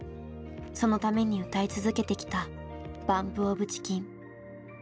そのために歌い続けてきたＢＵＭＰＯＦＣＨＩＣＫＥＮ。